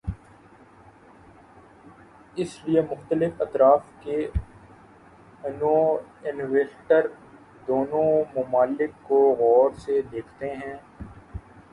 اس لیے مختلف اطراف کے انویسٹر دونوں ممالک کو غور سے دیکھتے ہیں۔